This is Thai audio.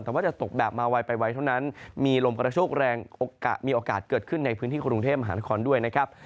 แต่ว่าจะตกแบบมาไวไปไวเท่านั้นมีลมกระโชคแรงมีโอกาสเกิดขึ้นในพื้นที่กรุงเทพมหานครด้วยนะครับ